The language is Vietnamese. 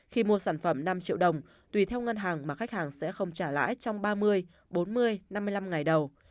khi mua sản phẩm năm triệu đồng tùy theo ngân hàng mà khách hàng sẽ không trả lãi trong ba mươi bốn mươi năm mươi năm ngày đầu